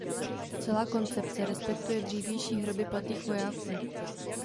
Celá koncepce respektuje dřívější hroby padlých vojáků.